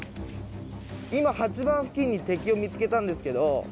今８番付近に敵を見つけたんですけど。